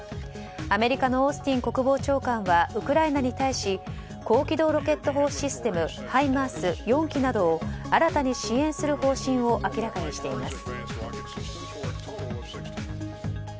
アメリカのオースティン国防長官はウクライナに対し高軌道ロケット砲システムハイマース４基などを新たに支援する方針を明らかにしています。